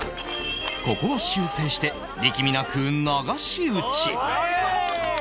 ここは修正して力みなく流し打ち